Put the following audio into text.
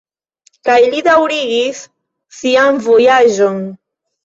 Kaj li daŭrigis sian vojaĝon.